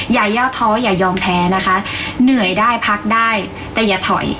อย่าย่อท้ออย่ายอมแพ้นะคะเหนื่อยได้พักได้แต่อย่าถอย